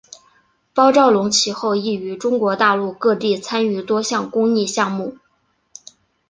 包兆龙其后亦于中国大陆各地参与多项公益项目。